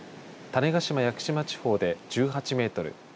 種子島・屋久島地方で１８メートル